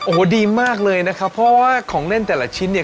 โอ้โหดีมากเลยนะครับเพราะว่าของเล่นแต่ละชิ้นเนี่ย